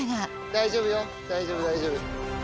大丈夫よ、大丈夫、大丈夫。